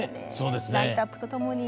ライトアップとともに。